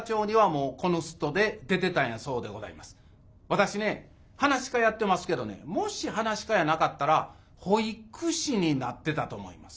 私ね噺家やってますけどねもし噺家やなかったら保育士になってたと思います。